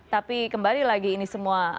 tapi kembali lagi ini semua